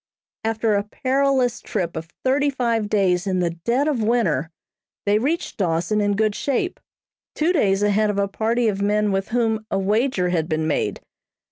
After a perilous trip of thirty five days in the dead of winter, they reached Dawson in good shape, two days ahead of a party of men with whom a wager had been made.